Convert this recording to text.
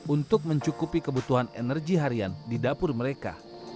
untuk mencukupi kebutuhan energi harian di dapur mereka